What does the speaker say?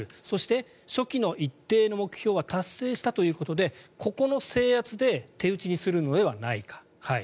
そして初期の一定の目標は達成したということでここの制圧で手打ちにするのではないか。